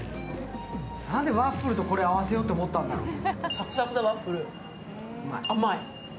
なんでワッフルとこれを合わせようと思ったんだろう。